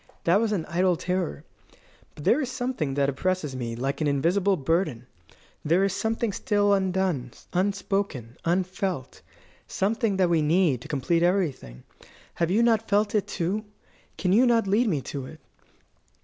That was an idle terror. But there is something that oppresses me like an invisible burden. There is something still undone, unspoken, unfelt something that we need to complete everything. Have you not felt it, too? Can you not lead me to it?"